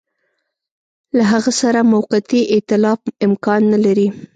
له هغه سره موقتي ایتلاف امکان نه لري.